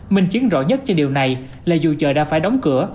mình chiến rõ nhất cho điều này là dù chợ đã phải đóng cửa